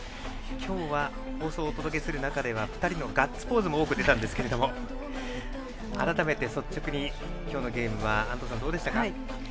今日は放送をお届けする中では２人のガッツポーズも多く出ましたが改めて、率直に今日のゲームは安藤さん、どうでしたか？